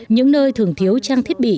những nơi thường thiếu trang thiết bị